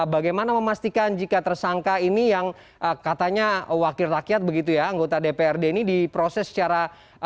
bagaimana memastikan jika tersangka ini yang katanya wakil rakyat begitu ya anggota dprd ini diproses secara